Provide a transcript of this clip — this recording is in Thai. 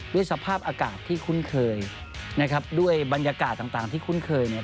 สภาพอากาศที่คุ้นเคยนะครับด้วยบรรยากาศต่างที่คุ้นเคยเนี่ย